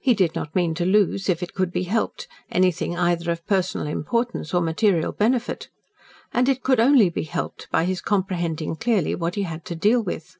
He did not mean to lose if it could be helped anything either of personal importance or material benefit. And it could only be helped by his comprehending clearly what he had to deal with.